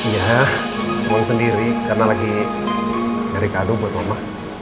ya tolong sendiri karena lagi hari kado buat mama